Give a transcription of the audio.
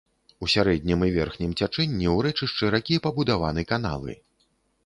У сярэднім і верхнім цячэнні ў рэчышчы ракі пабудаваны каналы.